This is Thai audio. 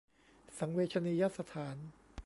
สังเวชนียสถาน